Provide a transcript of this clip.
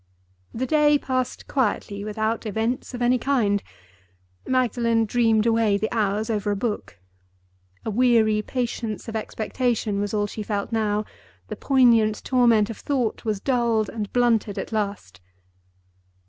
The day passed quietly, without events of any kind. Magdalen dreamed away the hours over a book. A weary patience of expectation was all she felt now—the poignant torment of thought was dulled and blunted at last.